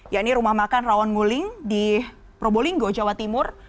yakni rumah makan rawon nguling di probolinggo jawa timur